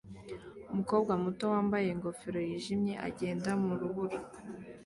Umukobwa muto wambaye ingofero yijimye agenda mu rubura